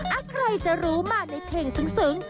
อ๊ะใครจะรู้มาในเพลงสึง